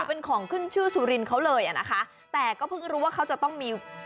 เป็นของขึ้นชื่อสุรินทร์เขาเลยอ่ะนะคะแต่ก็เพิ่งรู้ว่าเขาจะต้องมี